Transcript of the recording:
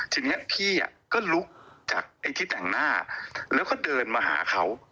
ทีนี้พี่ก็ลุกจากไอ้ที่แต่งหน้าแล้วก็เดินมาหาเขา